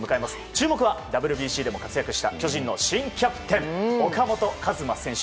注目は、ＷＢＣでも活躍した巨人の新キャプテン岡本和真選手。